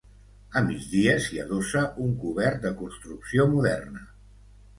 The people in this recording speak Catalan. A migdia s'hi adossa un cobert de construcció moderna.